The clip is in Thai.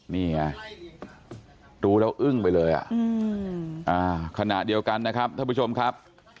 นี่ไงรู้แล้วอึ้งไปเลยอ่ะขณะเดียวกันนะครับท่านผู้ชมครับ